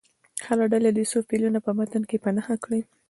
هره ډله دې څو فعلونه په متن کې په نښه کړي.